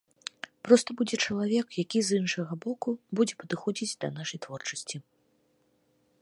Проста будзе чалавек, які з іншага боку будзе падыходзіць да нашай творчасці.